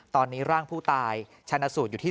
ตอนนี้ร่างผู้ตายชนะสูตรอยู่ที่